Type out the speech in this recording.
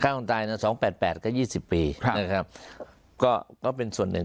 คนตายนะสองแปดแปดก็ยี่สิบปีครับนะครับก็ก็เป็นส่วนหนึ่ง